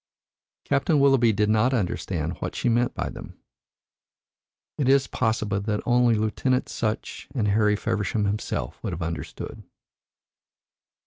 Captain Willoughby did not understand what she meant by them. It is possible that only Lieutenant Sutch and Harry Feversham himself would have understood.